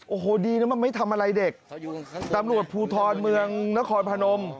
โอ้โหดีนะมันไม่ทำอะไรเด็กตำรวจภูทรเมืองนครพนม